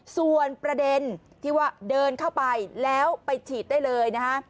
ส่วนประเด็นที่ว่าเดินเข้าไปแล้วไปฉีดได้เลยนะฮะ